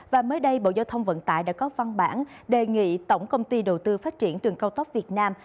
và mới đây bộ giao thông vận tải đã có văn bản đề nghị tổng công ty đầu tư phát triển đường cao tốc việt nam